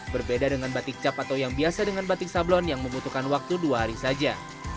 berbeda dengan batik cap atau yang biasa dengan batik sablon yang membutuhkan waktu dua hari saja